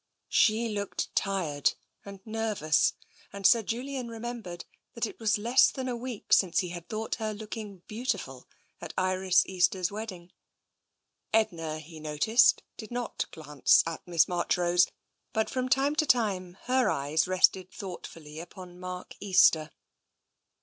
She looked tired and nervous, and Sir Julian re membered that it was less than a week since he had thought her looking beautiful at Iris Easter's wedding. Edna, he noticed, did not glance at Miss Marchrose, but from time to time her eyes rested thoughtfully upon Mark Easter.